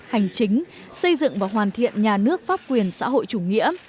hành chính xây dựng và hoàn thiện nhà nước pháp quyền xã hội chủ nghĩa